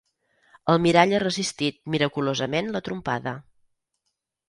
El mirall ha resistit miraculosament la trompada.